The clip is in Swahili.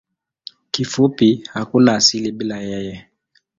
Kifupi hakuna asili bila yeye.